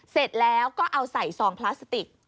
เสร็จแล้วก็เอาใส่ซองพลาสติก